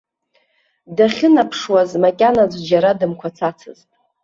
Дахьынаԥшуаз макьана аӡә џьара дымқәацацызт.